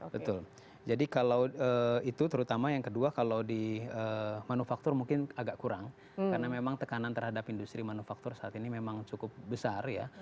betul jadi kalau itu terutama yang kedua kalau di manufaktur mungkin agak kurang karena memang tekanan terhadap industri manufaktur saat ini memang cukup besar ya